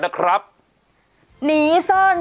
ครูกัดสบัติคร้าว